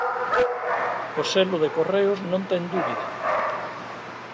O selo de correos non ten dúbida.